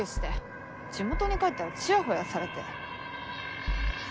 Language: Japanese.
地元に帰ったらチヤホヤされて。